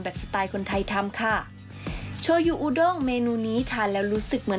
สไตล์คนไทยทำค่ะโชยูอูด้งเมนูนี้ทานแล้วรู้สึกเหมือน